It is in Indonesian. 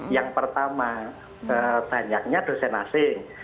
yang pertama banyaknya dosen asing